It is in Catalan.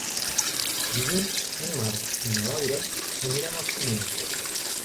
Dilluns en Marc i na Laura aniran al cinema.